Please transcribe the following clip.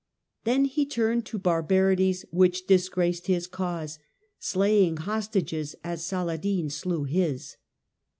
Then he turned to barbarities which disgraced his cause, slaying hostages as Richard in Saladin slcw his.